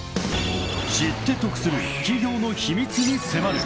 ［知って得する企業の秘密に迫る］